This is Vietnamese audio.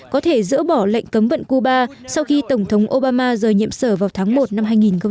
có thể dỡ bỏ lệnh cấm vận cuba sau khi tổng thống obama rời nhiệm sở vào tháng một năm hai nghìn hai mươi